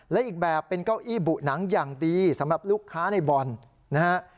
และอีกแบบเป็นเก้าอี้บุหนังอย่างดีสำหรับลูกค้าในบ่อนนะฮะ